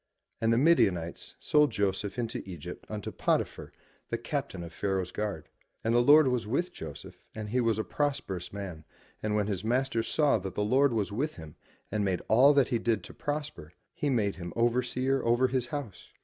And the Midianites sold Joseph into Egypt unto Pot'i phar, the Captain of Pharaoh's guard. And the Lord was with Joseph and he was a prosperous man and when his master saw that the Lord was with him and made all that he did to prosper, he made him overseer over his house.